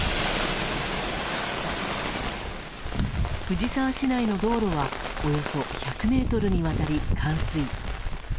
藤沢市内の道路はおよそ１００ｍにわたり冠水。